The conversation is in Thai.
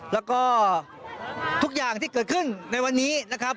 แล้วก็ทุกอย่างที่เกิดขึ้นในวันนี้นะครับ